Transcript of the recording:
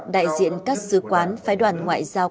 đại diện các sứ quán phái đoàn ngoại giao